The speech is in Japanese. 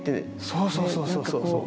そうそうそうそう。